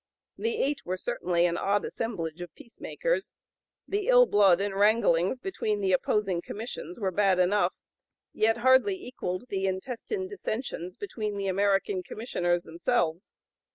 The eight were certainly an odd assemblage of peacemakers. The ill blood and wranglings between the opposing Commissions were bad enough, yet hardly equalled the intestine dissensions between the American Commissioners themselves.